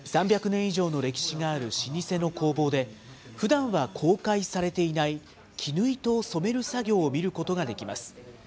３００年以上の歴史がある老舗の工房で、ふだんは公開されていない、絹糸を染める作業を見ることができます。